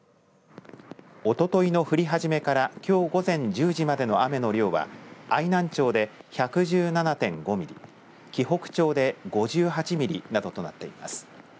おとといの降り始めからきょう午前１０時までの雨の量は愛南町で１１７．５ミリ、鬼北町で５８ミリなどとなっています。